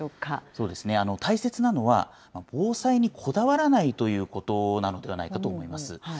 そうですね、大切なのは、防災にこだわらないということなのではないかと思います。